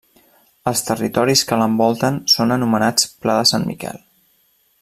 Els territoris que l'envolten són anomenats Pla de Sant Miquel.